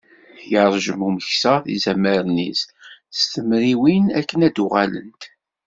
Yerjem umeksa tizamarin-is s temriwin akken ad d-uɣalent.